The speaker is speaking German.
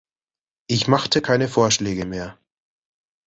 Ich machte keine Vorschläge mehr.